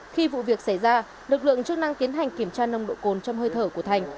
khi vụ việc xảy ra lực lượng chức năng tiến hành kiểm tra nồng độ cồn trong hơi thở của thành